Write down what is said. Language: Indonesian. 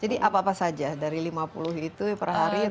jadi apa apa saja dari lima puluh itu per hari rata rata